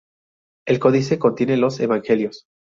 El codice contiene los Evangelios.